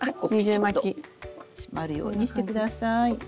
締まるようにしてください。